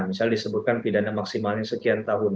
misalnya disebutkan pidana maksimalnya sekian tahun